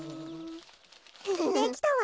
できたわ。